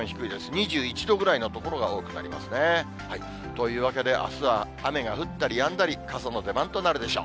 ２１度ぐらいの所が多くなりますね。というわけで、あすは雨が降ったりやんだり、傘の出番となるでしょう。